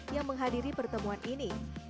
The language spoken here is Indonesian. yang menghadiri pertemuan ini